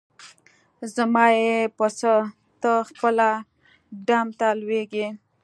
زما یی په څه؟ ته خپله ډم ته لویږي.